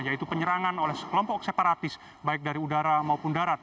yaitu penyerangan oleh sekelompok separatis baik dari udara maupun darat